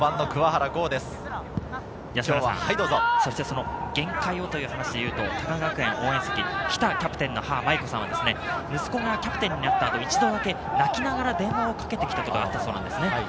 そしてその限界をという話でいうと、高川学園応援席、北キャプテンの母・まいこさんは、息子がキャプテンなったあと、１度だけ泣きながら電話をかけてきたことがあったそうです。